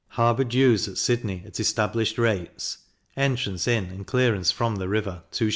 harbour dues at Sydney at established rates, entrance in and clearance from the river 2s.